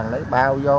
lấy bao vô